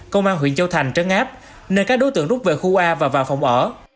công an huyện châu thành trấn áp nơi các đối tượng rút về khu a và vào phòng ở